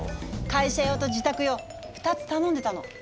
会社用と自宅用２つ頼んでたの。